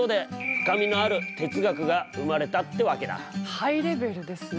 ハイレベルですね